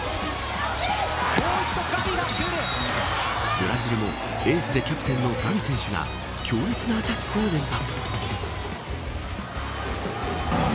ブラジルも、エースでキャプテンのガビ選手が強烈なアタックを連発。